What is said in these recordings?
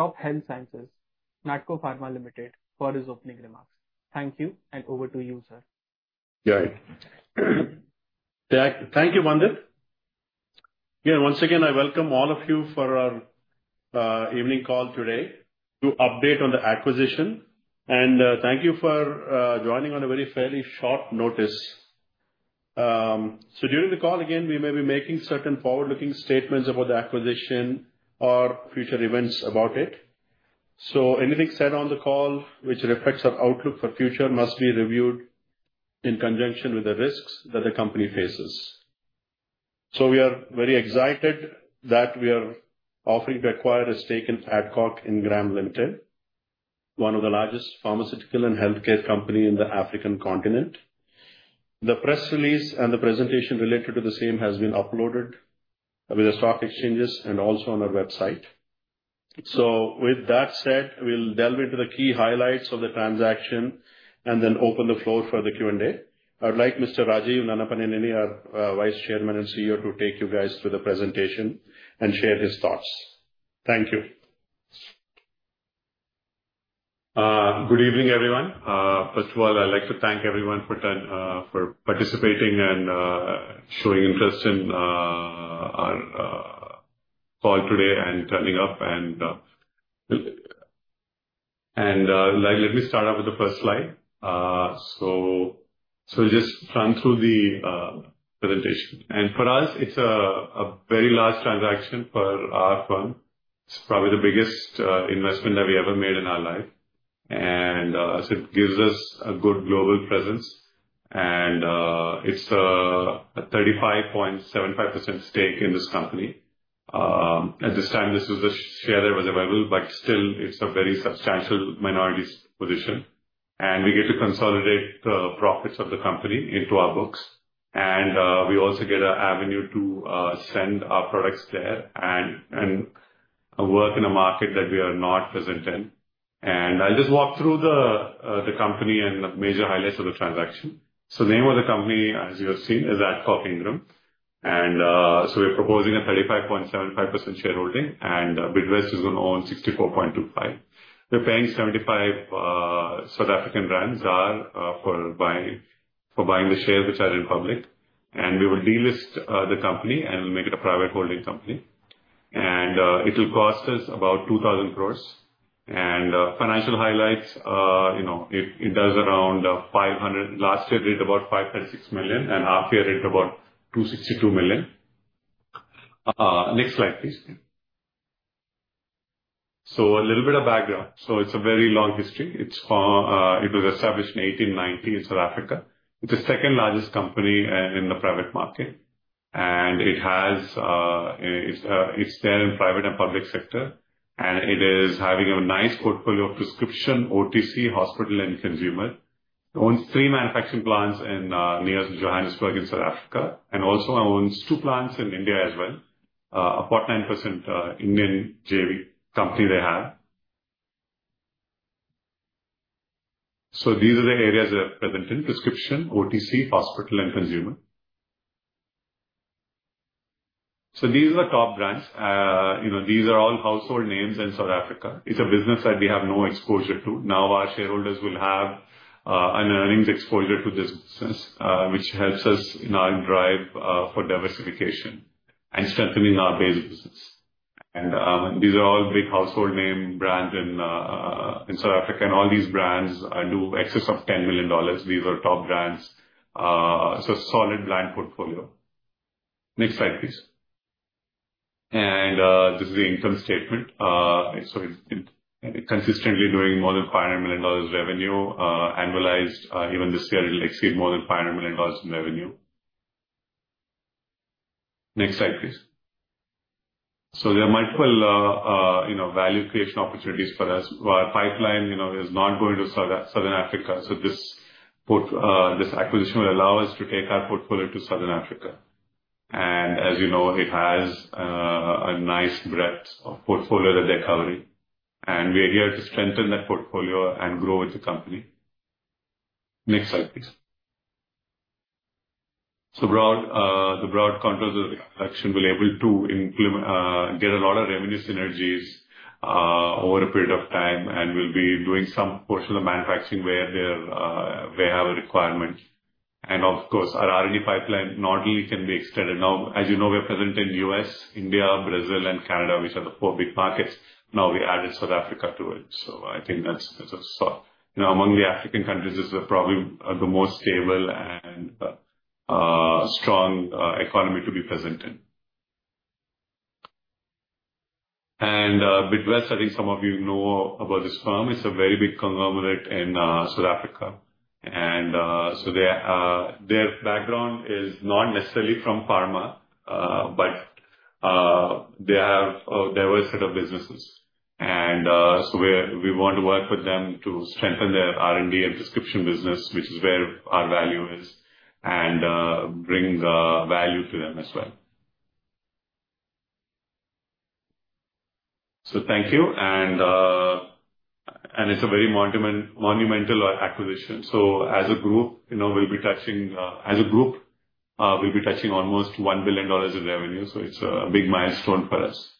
NATCO Pharma Limited, for its opening remarks. Thank you and over to you, sir. Yeah, thank you. Yeah, once again, I welcome all of you for our evening call today to update on the acquisition. Thank you for joining on a very fairly short notice. During the call, we may be making certain forward-looking statements about the acquisition or future events about it. Anything said on the call which reflects our outlook for the future must be reviewed in conjunction with the risks that the company faces. We are very excited that we are offering to acquire a stake in Adcock Ingram Limited, one of the largest pharmaceutical and healthcare companies in the African continent. The press release and the presentation related to the same have been uploaded with the stock exchanges and also on our website. With that said, we'll delve into the key highlights of the transaction and then open the floor for the Q&A. I'd like Mr. Rajeev Nannapaneni, our Vice Chairman and CEO, to take you guys through the presentation and share his thoughts. Thank you. Good evening, everyone. First of all, I'd like to thank everyone for participating and showing interest in our call today and turning up. Let me start off with the first slide. We'll just run through the presentation. For us, it's a very large transaction for our firm. It's probably the biggest investment that we ever made in our life. It gives us a good global presence, and it's a 35.75% stake in this company. At this time, this is the share that was available, but still, it's a very substantial minority position. We get to consolidate the profits of the company into our books. We also get an avenue to send our products there and work in a market that we are not present in. I'll just walk through the company and the major highlights of the transaction. The name of the company, as you have seen, is Adcock Ingram. We're proposing a 35.75% shareholding, and Bidvest is going to own 64.25%. We're paying ZAR 75 for buying the shares, which are in public. We will delist the company and make it a private holding company. It'll cost us about 2,000 crores. Financial highlights: it does around $500 million. Last year, it reached about $5.6 million, and our share reached about $262 million. Next slide, please. A little bit of background. It's a very long history. It was established in 1890 in South Africa. It's the second largest company in the private market. It's there in the private and public sector. It is having a nice portfolio of prescription, OTC, hospital, and consumer. It owns three manufacturing plants near Johannesburg in South Africa. It also owns two plants in India as well, a 0.9% Indian JV company they have. These are the areas they're present in: prescription, OTC, hospital, and consumer. These are the top brands. These are all household names in South Africa. It's a business that we have no exposure to. Now, our shareholders will have an earnings exposure to this business, which helps us in our drive for diversification and strengthening our base business. These are all big household name brands in South Africa. All these brands do excess of $10 million. These are top brands. It's a solid brand portfolio. Next slide, please. This is the income statement. It's consistently doing more than $500 million revenue annualized. Even this year, it exceeded more than $500 million in revenue. Next slide, please. There are multiple value creation opportunities for us. Our pipeline is not going to Southern Africa. This acquisition will allow us to take our portfolio to Southern Africa. As you know, it has a nice breadth of portfolio that they're covering. We are here to strengthen that portfolio and grow with the company. Next slide, please. The broad contours of the acquisition will enable us to get a lot of revenue synergies over a period of time. We'll be doing some portion of the manufacturing where they have a requirement. Of course, our R&D pipeline not only can be extended. As you know, we are present in the U.S., India, Brazil, and Canada, which are the four big markets. Now, we added South Africa to it. I think that's among the African countries, this is probably the most stable and strong economy to be present in. Bidvest, I think some of you know about this firm. It's a very big conglomerate in South Africa. Their background is not necessarily from pharma, but they have a diverse set of businesses. We want to work with them to strengthen their R&D and prescription business, which is where our value is, and bring value to them as well. Thank you. It's a very monumental acquisition. As a group, we'll be touching almost $1 billion in revenue. It's a big milestone for us.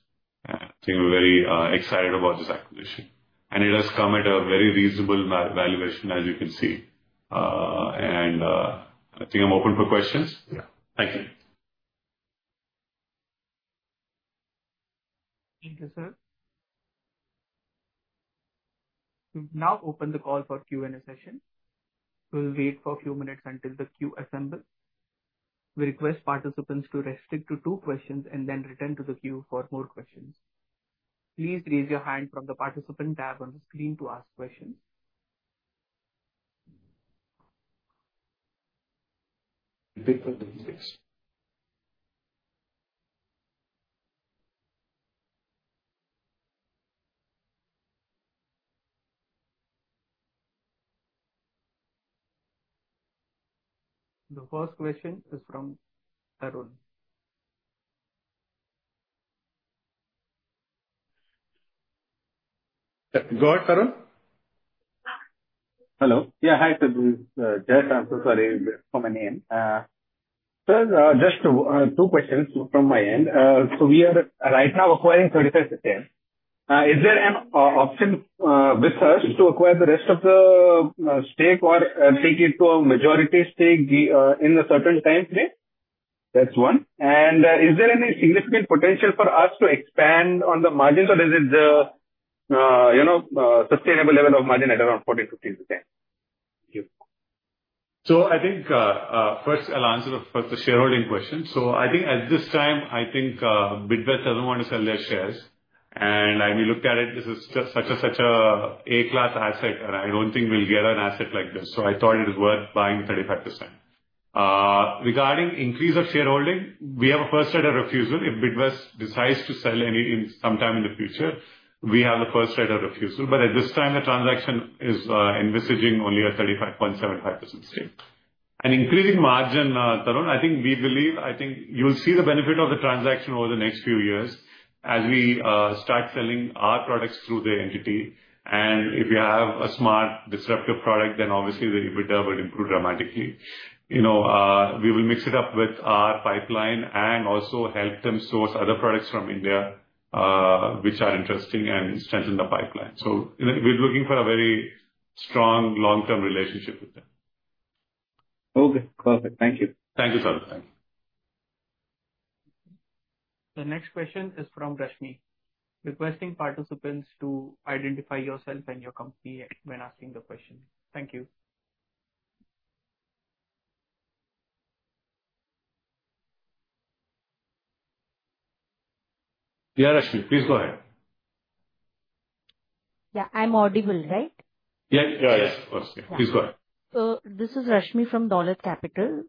I think we're very excited about this acquisition. It has come at a very reasonable valuation, as you can see. I think I'm open for questions. Thank you. Thank you, sir. We've now opened the call for Q&A session. We'll wait for a few minutes until the queue assembles. We request participants to restrict to two questions and then return to the queue for more questions. Please raise your hand from the participant tab on the screen to ask questions. The first question is from Arun. Hello? Yeah, hi, Tadhir. Sorry for my name. First, just two questions from my end. We are right now acquiring 35%. Is there an option with us to acquire the rest of the stake or take it to a majority stake in a certain timeframe? That's one. Is there any significant potential for us to expand on the margins, or is it the, you know, sustainable level of margin at around 40%, 50%? I think, first, I'll answer the first shareholding question. I think at this time, I think Bidvest doesn't want to sell their shares. I mean, we looked at it. This is just such a, such an A-class asset. I don't think we'll get an asset like this. I thought it was worth buying 35%. Regarding increase of shareholding, we have a first right of refusal. If Bidvest decides to sell any sometime in the future, we have the first right of refusal. At this time, the transaction is envisaging only a 35.75% stake. Increasing margin, Tarun, I think we believe, I think you'll see the benefit of the transaction over the next few years as we start selling our products through the entity. If you have a smart disruptive product, then obviously the EBITDA will improve dramatically. We will mix it up with our pipeline and also help them source other products from India, which are interesting and strengthen the pipeline. We're looking for a very strong long-term relationship with them. Okay. Perfect. Thank you. Thank you, Sara. Thank you. The next question is from Rashmi. Requesting participants to identify yourself and your company when asking the question. Thank you. Yeah, Rashmi, please go ahead. Yeah, I'm audible, right? Yes, of course. Please go ahead. This is Rashmi from Dolat Capital.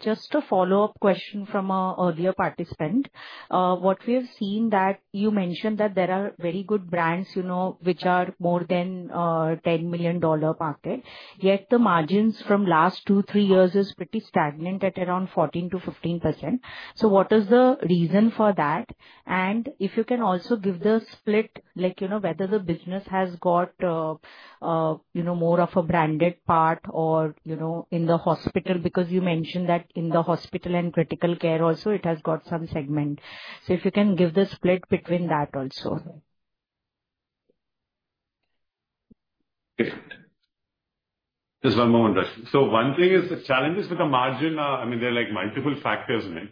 Just a follow-up question from an earlier participant. What we have seen is that you mentioned that there are very good brands, you know, which are more than a $10 million market. Yet the margins from the last two, three years are pretty stagnant at around 14%-15%. What is the reason for that? If you can also give the split, like, you know, whether the business has got, you know, more of a branded part or, you know, in the hospital because you mentioned that in the hospital and critical care also, it has got some segment. If you can give the split between that also. Just one moment, Rashmi. One thing is the challenges with the margin. There are multiple factors in it.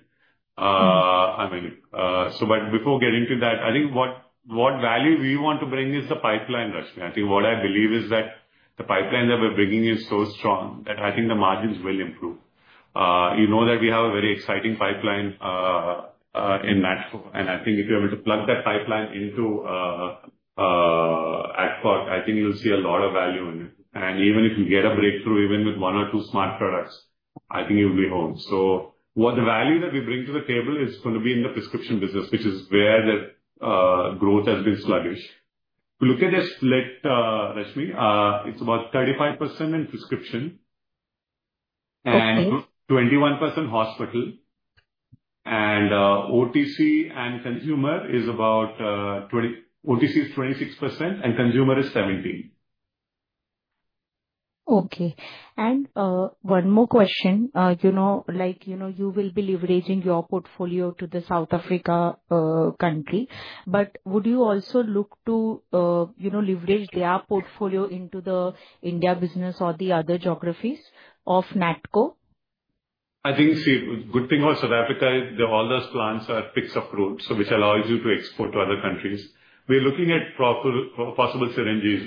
Before getting to that, I think what value we want to bring is the pipeline, Rashmi. I believe the pipeline that we're bringing is so strong that the margins will improve. You know that we have a very exciting pipeline in NATCO. If you're able to plug that pipeline into Adcock, you'll see a lot of value in it. Even if you get a breakthrough with one or two smart products, you'll be home. The value that we bring to the table is going to be in the prescription business, which is where the growth has been sluggish. If you look at the split, Rashmi, it's about 35% in prescription and 21% hospital. OTC and consumer is about 20%. OTC is 26% and consumer is 17%. Okay. One more question. You know, you will be leveraging your portfolio to the South Africa country. Would you also look to leverage their portfolio into the India business or the other geographies of NATCO? I think, see, the good thing about South Africa is all those plants are fixed-up growth, which allows you to export to other countries. We're looking at proper possible synergies,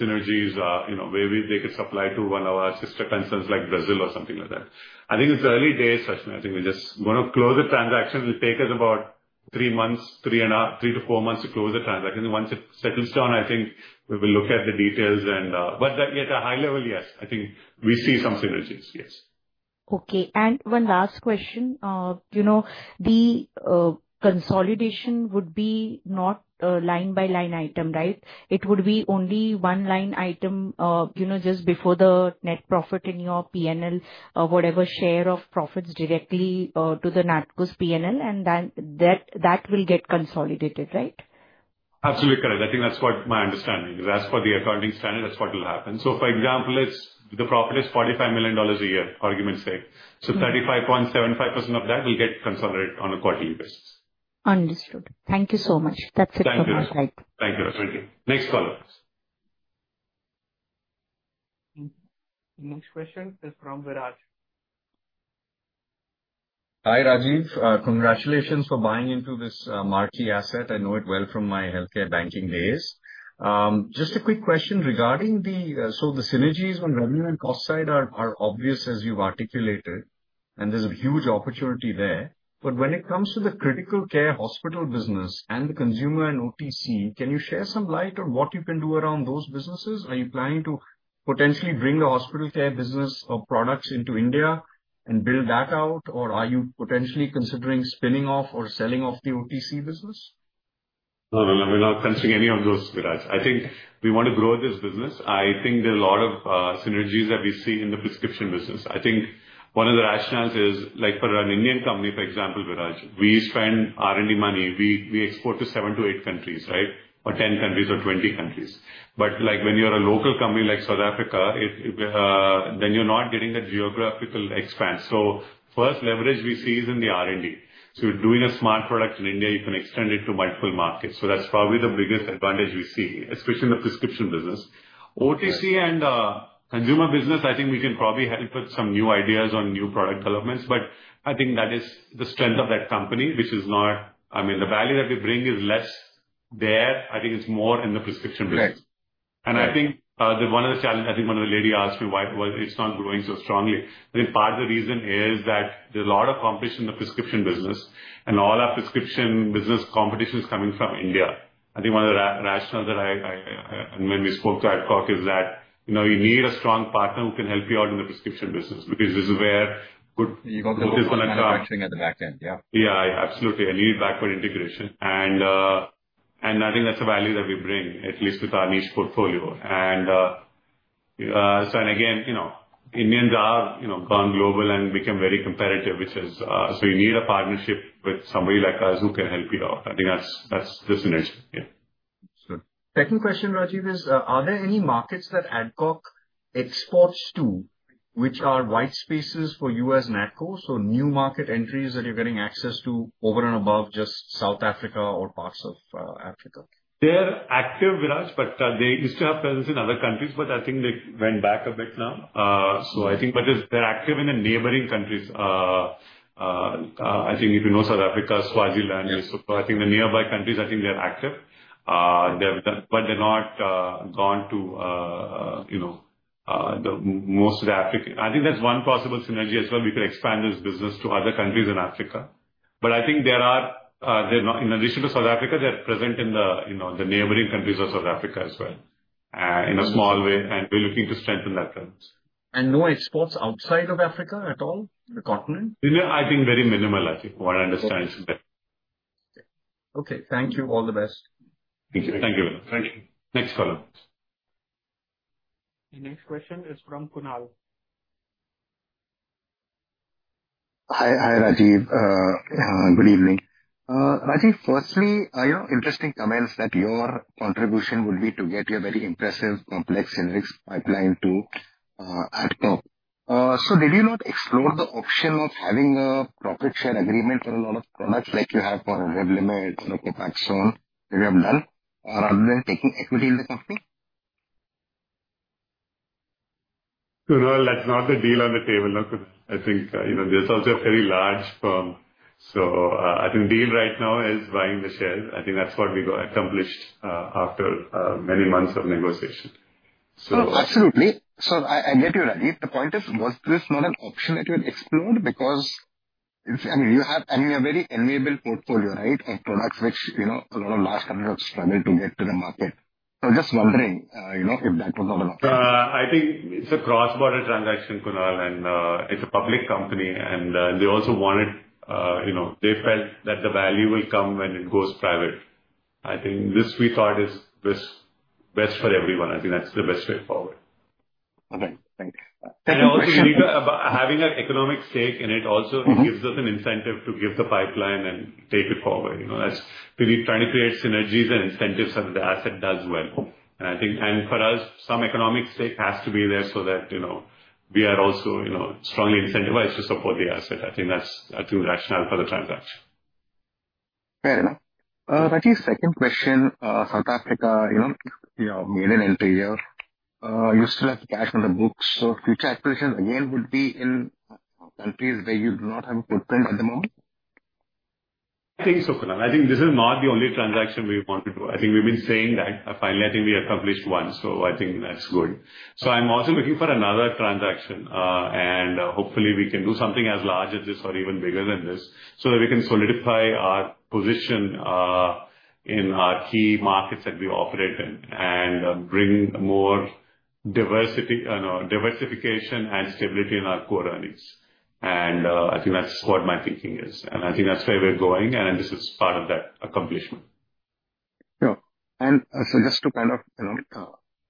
you know, where they could supply to one of our sister concerns like Brazil or something like that. I think it's early days, Rashmi. I think we're just going to close the transaction. It'll take us about three months, three and a half, three to four months to close the transaction. Once it settles down, I think we will look at the details. Yet at a high level, yes, I think we see some synergies, yes. Okay. One last question. The consolidation would be not a line-by-line item, right? It would be only one-line item, just before the net profit in your P&L, whatever share of profits directly to NATCO's P&L, and then that will get consolidated, right? Absolutely correct. I think that's what my understanding is. As for the accounting standard, that's what will happen. For example, if the profit is $45 million a year, argument said, 35.75% of that will get consolidated on a quarterly basis. Understood. Thank you so much. That's it for the slide. Thank you. Thank you, Rashmi. Next follow-up. Next question is from Viraj. Hi, Rajeev. Congratulations for buying into this marquee asset. I know it well from my healthcare banking days. Just a quick question regarding the synergies on revenue and cost side, as you've articulated. There's a huge opportunity there. When it comes to the critical care hospital business and the consumer and OTC, can you share some light on what you can do around those businesses? Are you planning to potentially bring the hospital care business or products into India and build that out? Are you potentially considering spinning off or selling off the OTC business? No, no, no. We're not fencing any of those, Viraj. I think we want to grow this business. I think there are a lot of synergies that we see in the prescription business. I think one of the rationales is, like for an Indian company, for example, Viraj, we spend R&D money. We export to seven to eight countries, right? Or 10 countries or 20 countries. When you're a local company like South Africa, then you're not getting that geographical expanse. The first leverage we see is in the R&D. You're doing a smart product in India. You can extend it to multiple markets. That's probably the biggest advantage we see, especially in the prescription business. OTC and consumer business, I think we can probably help with some new ideas on new product developments. That is the strength of that company, which is not, I mean, the value that we bring is less there. I think it's more in the prescription business. One of the challenges, I think one of the ladies asked me why it's not growing so strongly. Part of the reason is that there's a lot of competition in the prescription business, and all our prescription business competition is coming from India. One of the rationales that I, and when we spoke to Adcock, is that you know, you need a strong partner who can help you out in the prescription business because this is where good. You got the whole manufacturing at the back end. Yeah. Yeah, absolutely. I need backward integration. I think that's a value that we bring, at least with our niche portfolio. Indians have gone global and become very competitive, which is why you need a partnership with somebody like us who can help you out. I think that's the synergy. Second question, Rajeev, is are there any markets that Adcock exports to, which are white spaces for us NATCO? So new market entries that you're getting access to over and above just South Africa or parts of Africa? They're active, Viraj, but they used to have presence in other countries. I think they went back a bit now. They're active in the neighboring countries. I think if you know South Africa, Swaziland, the nearby countries, they're active. They're not gone to most of Africa. I think that's one possible synergy as well. We could expand this business to other countries in Africa. There are, in addition to South Africa, they're present in the neighboring countries of South Africa as well in a small way. We're looking to strengthen that presence. No exports outside of Africa at all, the continent? I think very minimal, Rajeev, from what I understand. Okay. Thank you. All the best. Thank you. Thank you. Next follow-up. The next question is from Kunal. Hi, Rajeev. Good evening. Rajeev, firstly, you know, interesting comments that your contribution would be to get your very impressive complex synergy pipeline to Adcock. Did you not explore the option of having a profit share agreement for a lot of products like you have for Revlimid or Copaxone that you have done rather than taking equity in the company? Kunal, that's not the deal on the table now because I think, you know, there's also a very large firm. I think the deal right now is buying the shares. I think that's what we accomplished after many months of negotiation. Oh, absolutely. I get you, Rajeev. The point is, was this not an option that you had explored because it's, I mean, you have a very enviable portfolio, right, of products which a lot of large companies have struggled to get to the market. I was just wondering if that was not an option. I think it's a cross-border transaction, Kunal, and it's a public company. They also wanted, you know, they felt that the value will come when it goes private. I think this we thought is best for everyone. I think that's the best way forward. Okay, thank you. We need to have an economic stake in it. It gives us an incentive to give the pipeline and take it forward. We need to try to create synergies and incentives so that the asset does well. For us, some economic stake has to be there so that we are also strongly incentivized to support the asset. I think that's rational for the transaction. Fair enough. Rajeev, second question. South Africa, you know, you made an entry here. You still have cash on the books. Future aspirations, again, would be in countries where you do not have a footprint at the moment? think so, Kunal. I think this is not the only transaction we want to do. I think we've been saying that finally, I think we accomplished one. I think that's good. I'm also looking for another transaction. Hopefully, we can do something as large as this or even bigger than this so that we can solidify our position in our key markets that we operate in and bring more diversification and stability in our core earnings. I think that's what my thinking is. I think that's where we're going. This is part of that accomplishment. Sure, just to kind of, you know,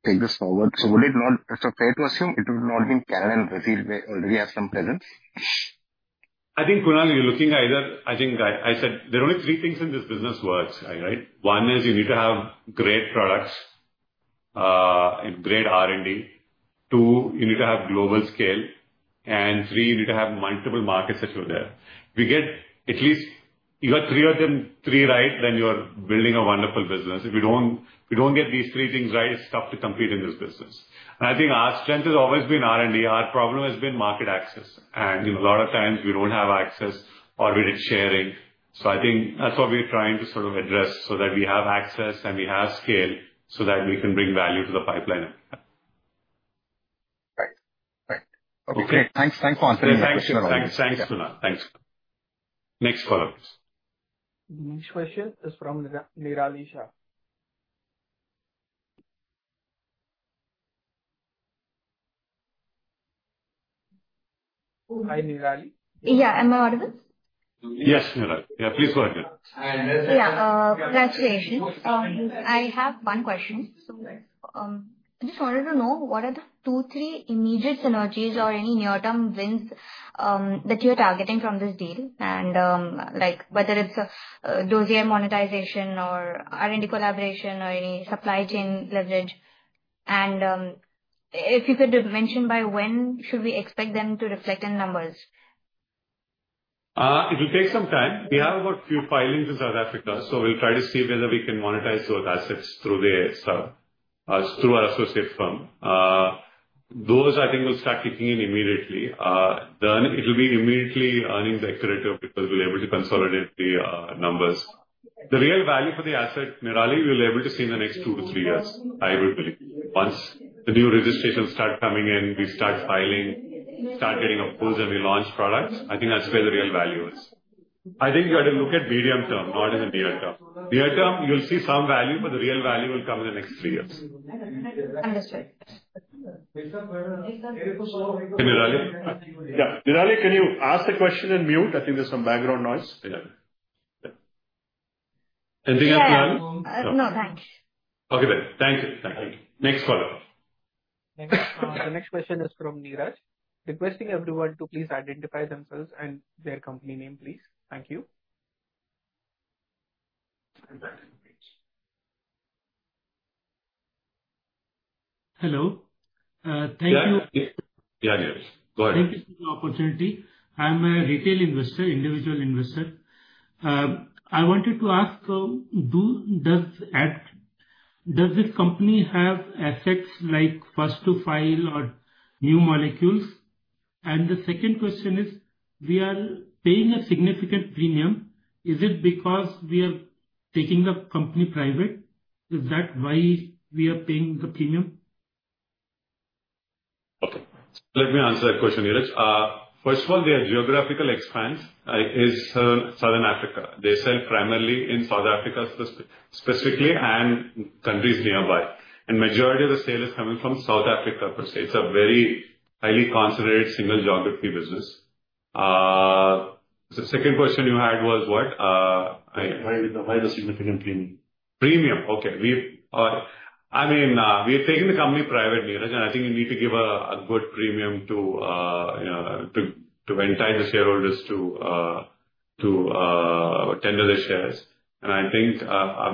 take this forward, would it not, is it fair to assume it would not be in Canada and Brazil where you already have some presence? I think, Kunal, you're looking at either. I think I said there are only three things in this business that work, right? One is you need to have great products and great R&D. Two, you need to have global scale. Three, you need to have multiple markets that you're there. We get at least, you got three of them, three right, then you're building a wonderful business. If you don't get these three things right, it's tough to compete in this business. I think our strength has always been R&D. Our problem has been market access. A lot of times, we don't have access or we're sharing. I think that's what we're trying to sort of address so that we have access and we have scale so that we can bring value to the pipeline of. Okay. Thanks. Thanks, Kunal. Next follow-up, please. The next question is from Nirali Shah. Hi, Nirali. Yeah, am I audible? Yes, Nirali. Yeah, please go ahead. Yeah, congratulations. I have one question. I just wanted to know what are the two, three immediate synergies or any near-term wins that you are targeting from this deal, and whether it's a dossier monetization or R&D collaboration or any supply chain leverage. If you could mention by when should we expect them to reflect in numbers? It will take some time. We have about a few filings in South Africa. We'll try to see whether we can monetize those assets through our associate firm. Those, I think, will start kicking in immediately. It will be immediately earning the accretion because we'll be able to consolidate the numbers. The real value for the asset, Nirali, we'll be able to see in the next two to three years, I would believe. Once the new registrations start coming in, we start filing, start getting approvals, and we launch products, I think that's where the real value is. I think you got to look at medium term, not in the near term. The near term, you'll see some value, but the real value will come in the next three years. Understood. Nirali? Yeah. Nirali, can you ask the question and mute? I think there's some background noise. Anything else, Nirali? No, thanks. Okay, thank you. Thank you. Next follow-up. The next question is from Neeraj. Requesting everyone to please identify themselves and their company name, please. Thank you. Hello. Thank you. Yeah, Neeraj, go ahead. Thank you for the opportunity. I'm a retail investor, individual investor. I wanted to ask, does this company have assets like first-to-file or new molecules? The second question is, we are paying a significant premium. Is it because we are taking the company private? Is that why we are paying the premium? Okay. Let me answer that question, Neeraj. First of all, their geographical expanse is Southern Africa. They sell primarily in South Africa specifically and countries nearby. The majority of the sale is coming from South Africa per se. It is a very highly concentrated single geography business. The second question you had was what? Why the significant premium? Premium. Okay. We're taking the company private, Neeraj, and I think we need to give a good premium to entice the shareholders to tender their shares. I think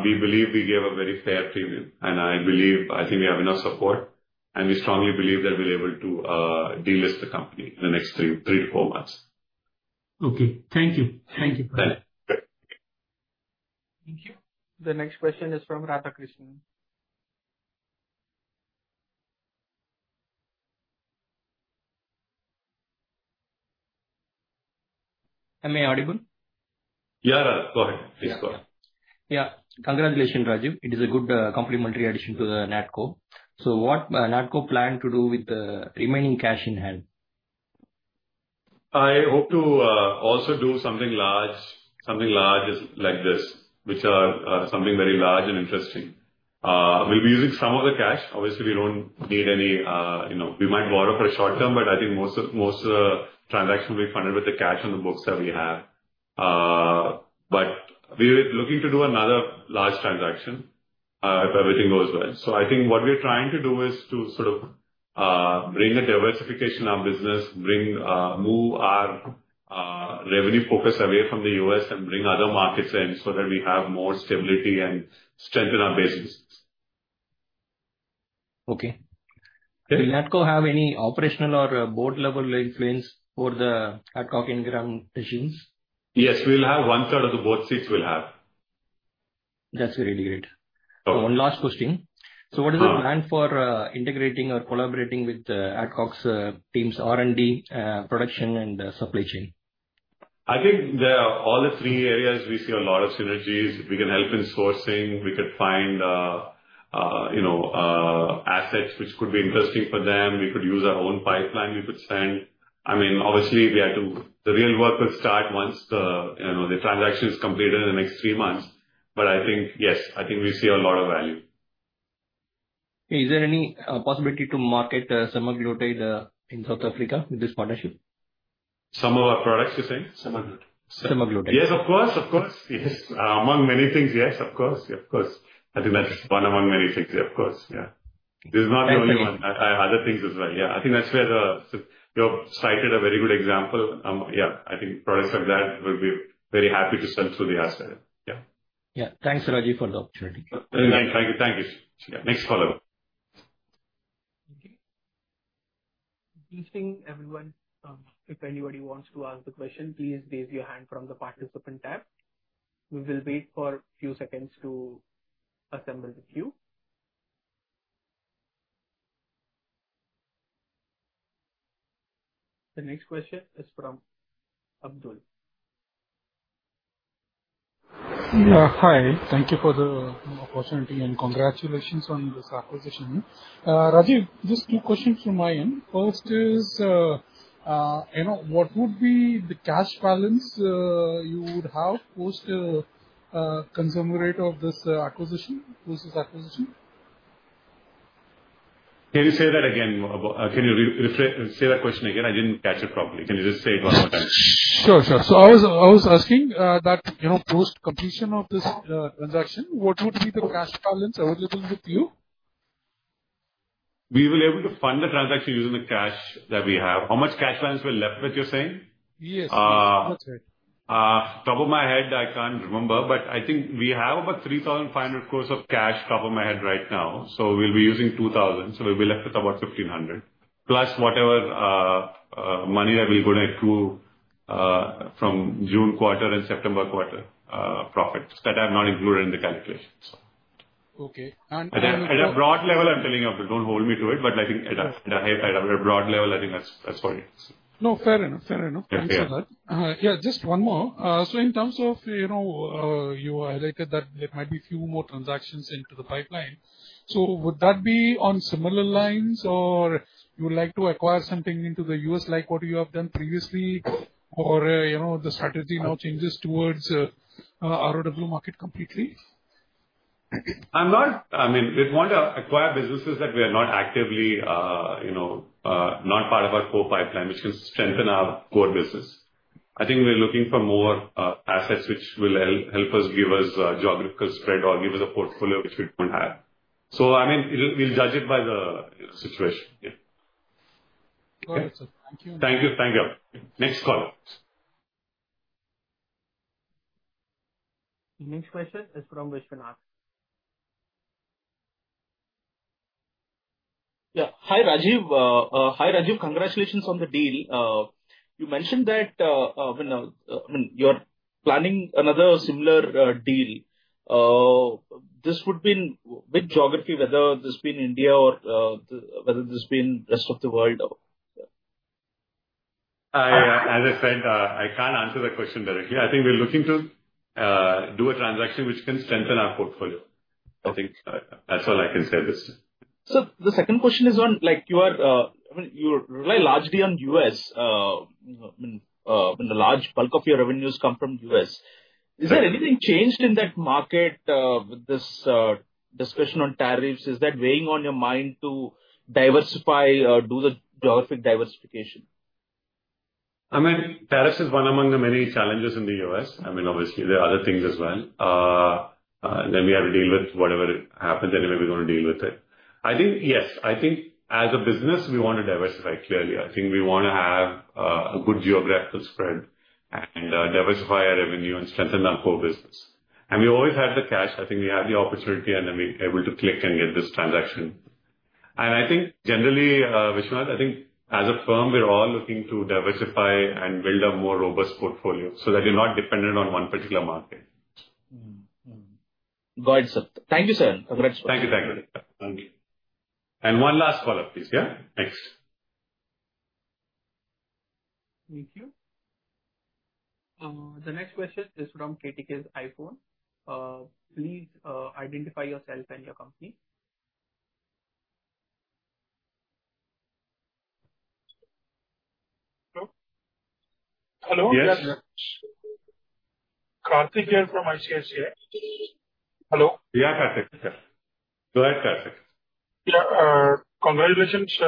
we believe we gave a very fair premium. I believe we have enough support, and we strongly believe that we're able to delist the company in the next three to four months. Okay, thank you. Thank you. Thank you. The next question is from Radhakrishnan. Am I audible? Yeah, Radha. Go ahead. Please go ahead. Yeah. Congratulations, Rajeev. It is a good complementary addition to NATCO. What does NATCO plan to do with the remaining cash in hand? I hope to also do something large, something large like this, which is something very large and interesting. We'll be using some of the cash. Obviously, we don't need any, you know, we might borrow for a short term, but I think most of the transaction will be funded with the cash on the books that we have. We're looking to do another large transaction if everything goes well. I think what we're trying to do is to sort of bring a diversification in our business, bring move our revenue focus away from the U.S. and bring other markets in so that we have more stability and strengthen our bases. Okay. Does NATCO have any operational or board-level influence for the Adcock Ingram machines? We'll have 1/3 of the board seats. That's really great. One last question. What is the plan for integrating or collaborating with Adcock's team's R&D, production, and supply chain? I think there are all the three areas we see a lot of synergies. We can help in sourcing. We could find, you know, assets which could be interesting for them. We could use our own pipeline we could send. The real work will start once the transaction is completed in the next three months. I think, yes, I think we see a lot of value. Is there any possibility to market semaglutide in South Africa with this partnership? Some of our products, you're saying? Semaglutide. Yes, of course. I think that's one among many things. It is not the only one, there are other things as well. I think that's where you cited a very good example. I think products of that will be very happy to sell through the asset. Yeah. Yeah. Thanks, Rajeev, for the opportunity. Thank you. Next follow-up. Please bring everyone. If anybody wants to ask the question, please raise your hand from the participant tab. We will wait for a few seconds to assemble the queue. The next question is from Abdul. Yeah, hi. Thank you for the opportunity and congratulations on this acquisition. Rajeev, just two questions from my end. First is, you know, what would be the cash balance you would have post consummate of this acquisition? Can you say that again? Can you say that question again? I didn't catch it properly. Can you just say what I'm? Sure. I was asking that, you know, post-completion of this transaction, what would be the cash balance available in the queue? We will be able to fund the transaction using the cash that we have. How much cash balance we're left with, you're saying? Yes. Top of my head, I can't remember, but I think we have about 3,500 crore of cash top of my head right now. We'll be using 2,000 crore. We'll be left with about 1,500 crore plus whatever money that we'll go to accrue from June quarter and September quarter profits that I have not included in the calculation. Okay. At a broad level, I'm telling you, don't hold me to it, but I think at a broad level, I think that's what it is. No, fair enough. Fair enough. Thanks a lot. Yeah, just one more. In terms of, you know, you had echoed that there might be a few more transactions into the pipeline. Would that be on similar lines or would you like to acquire something into the U.S. like what you have done previously, or the strategy now changes towards our market completely? I'm not, I mean, we'd want to acquire businesses that are not actively, you know, not part of our core pipeline, which can strengthen our core business. I think we're looking for more assets which will help us give us geographical spread or give us a portfolio which we don't have. We'll judge it by the situation. Understood. Thank you. Thank you. Thank you. Next caller. The next question is from Vishwanath. Yeah. Hi, Rajeev. Congratulations on the deal. You mentioned that when you're planning another similar deal, this would be in which geography, whether this be in India or whether this be in the rest of the world? As I said, I can't answer that question directly. I think we're looking to do a transaction which can strengthen our portfolio. I think that's all I can say at this time. The second question is on, like, you are, I mean, you rely largely on the U.S. I mean, the large bulk of your revenues come from the U.S. Is there anything changed in that market with this discussion on tariffs? Is that weighing on your mind to diversify or do the geographic diversification? I mean, tariffs is one among the many challenges in the U.S. Obviously, there are other things as well. We have to deal with whatever happens. Anyway, we're going to deal with it. I think, yes, I think as a business, we want to diversify clearly. I think we want to have a good geographical spread and diversify our revenue and strengthen our core business. We always have the cash. I think we have the opportunity and then we're able to click and get this transaction. I think generally, Vishwanath, as a firm, we're all looking to diversify and build a more robust portfolio so that you're not dependent on one particular market. Got it, sir. Thank you, sir. Congrats. Thank you. Thank you. Thank you. One last follow-up, please. Yeah. Thanks. Thank you. The next question is from Critical iPhone. Please identify yourself and your company. Hello. Yes, sir. Karthik Jain from HSBC. Hello? Yeah, Karthik, sir. Go ahead, Karthik. Congratulations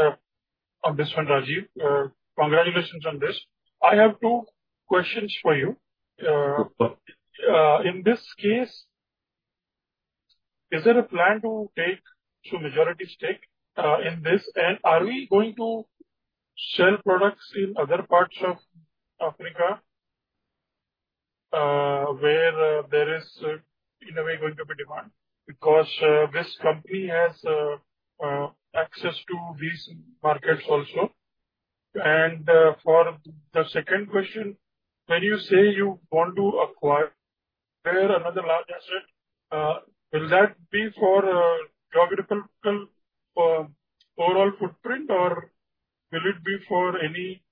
on this one, Rajeev. Congratulations on this. I have two questions for you. In this case, is there a plan to take majority stake in this? Are we going to sell products in other parts of Africa where there is, in a way, going to be demand? This company has access to these markets also. For the second question, when you say you want to acquire another larger, sir, will that be for a geographical overall footprint or will it be for any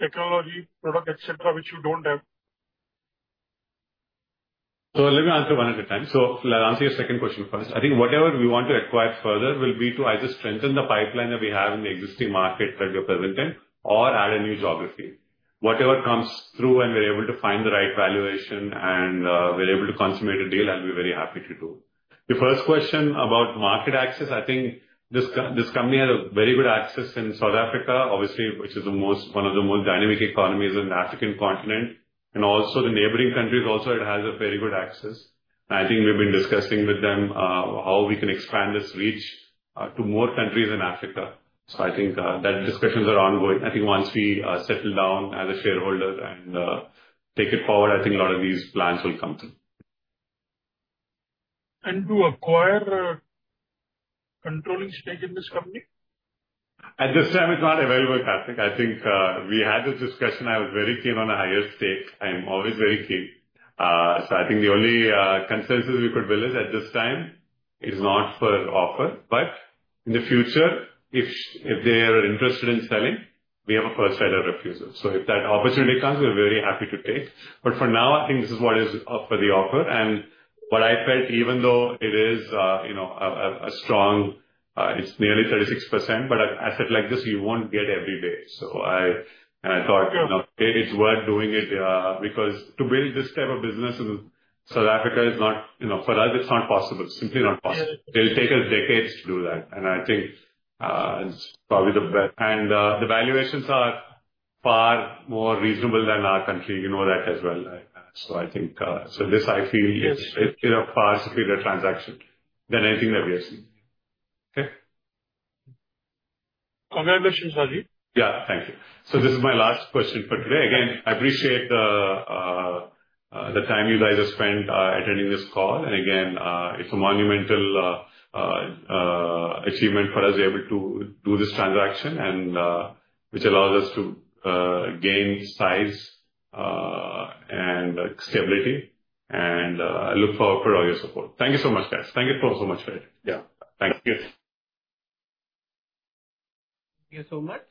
technology, product, etc., which you don't have? Let me answer one at a time. I'll answer your second question first. I think whatever we want to acquire further will be to either strengthen the pipeline that we have in the existing market that we're present in or add a new geography. Whatever comes through and we're able to find the right valuation and we're able to consummate a deal, I'll be very happy to do. Your first question about market access, I think this company has very good access in South Africa, obviously, which is one of the most dynamic economies in the African continent. The neighboring countries also have very good access. I think we've been discussing with them how we can expand this reach to more countries in Africa. I think that discussions are ongoing. Once we settle down as a shareholder and take it forward, I think a lot of these plans will come through. To acquire a controlling stake in this company? At this time, it's not available, Karthik. I think we had this discussion. I was very keen on a higher stake. I'm always very keen. I think the only consensus we could build at this time is not for offer. In the future, if they are interested in selling, we have a first right of refusal. If that opportunity comes, we're very happy to take. For now, I think this is what is for the offer. What I felt, even though it is, you know, a strong, it's nearly 36%, but an asset like this, you won't get every day. I thought, you know, it's worth doing it because to build this type of business in South Africa is not, you know, for us, it's not possible, simply not possible. It will take us decades to do that. I think it's probably the best. The valuations are far more reasonable than our country, you know that as well. I feel this is in a far superior transaction than anything that we have seen. Okay. Congratulations, Rajeev. Thank you. This is my last question for today. I appreciate the time you guys have spent attending this call. It's a monumental achievement for us to be able to do this transaction, which allows us to gain size and stability. I look forward to all your support. Thank you so much, guys. Thank you so much for it. Thank you. Thank you so much.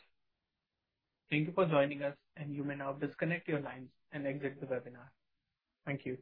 Thank you for joining us. You may now disconnect your lines and exit the webinar. Thank you.